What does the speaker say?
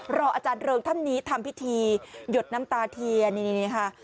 อาจารย์เริงท่านนี้ทำพิธีหยดน้ำตาเทียนนี่ค่ะ